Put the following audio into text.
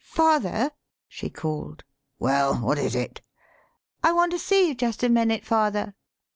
"Father!" she called. "Well, what is it!" "I want to see you jest a minute, father."